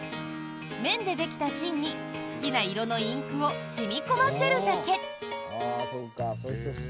綿でできた芯に好きな色のインクを染み込ませるだけ。